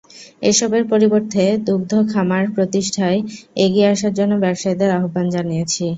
এসবের পরিবর্তে দুগ্ধ খামার প্রতিষ্ঠায় এগিয়ে আসার জন্য ব্যবসায়ীদের আহ্বান জানাচ্ছি।